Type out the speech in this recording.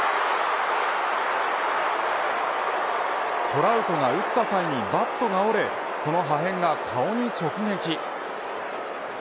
トラウトが打った際にバットが折れその破片が顔に直撃。